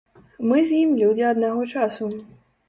Мы з ім людзі аднаго часу.